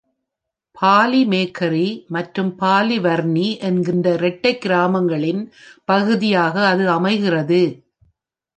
பாலிமேக்கரி மற்றும் பாலிவர்னி என்கிற இரட்டைக் கிராமங்களின் பகுதியாக அது அமைகிறது.